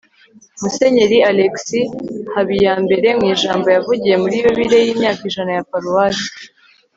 musenyeri alexis habiyambere mu ijambo yavugiye muri yubile y'imyaka ijana ya paruwasi